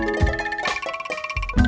nah belom sama kita sayaies